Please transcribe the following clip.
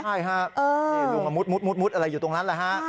ใช่ครับลุงมามุดอะไรอยู่ตรงนั้นล่ะฮะ